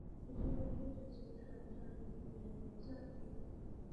席尔特贝格是德国巴伐利亚州的一个市镇。